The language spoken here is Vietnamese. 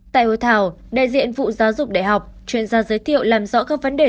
tại hội thảo đại diện vụ giáo dục đại học chuyên gia giới thiệu làm rõ các vấn đề